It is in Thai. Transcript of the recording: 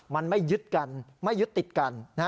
มันไม่ยึดกันไม่ยึดติดกัน